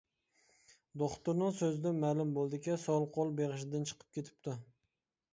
دوختۇرنىڭ سۆزىدىن مەلۇم بولدىكى سول قول بېغىشىدىن چىقىپ كېتىپتۇ.